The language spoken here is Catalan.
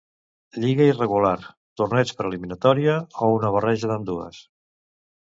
Lliga irregular, torneig per eliminatòria, o una barreja d'ambdues.